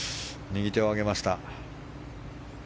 右手を上げました。